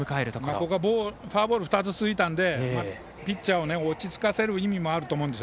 ここはフォアボール２つ続いたのでピッチャーを落ち着かせる意味もあると思います。